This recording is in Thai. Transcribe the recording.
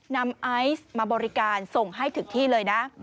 ไอซ์มาบริการส่งให้ถึงที่เลยนะ